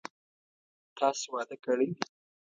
تاسو واده کړئ ؟